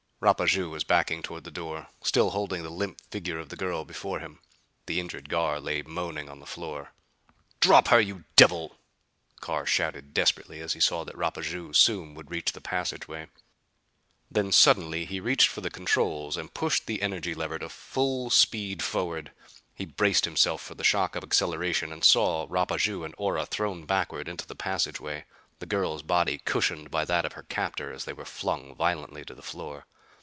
Rapaju was backing toward the door, still holding the limp figure of the girl before him. The injured guard lay moaning on the floor. "Drop her, you devil!" Carr shouted desperately as he saw that Rapaju soon would reach the passageway. Then suddenly he reached for the controls and pushed the energy lever to full speed forward. He braced himself for the shock of acceleration and saw Rapaju and Ora thrown backward into the passageway, the girl's body cushioned by that of her captor as they were flung violently to the floor.